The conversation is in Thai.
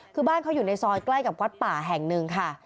คือบ้านเขาอยู่ในซอยใกล้กับวัดป่าแห่งหนึ่งค่ะ